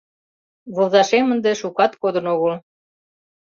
Возашем ынде шукат кодын огыл.